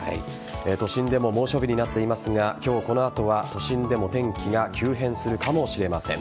都心でも猛暑日になっていますが今日、この後は都心でも天気が急変するかもしれません。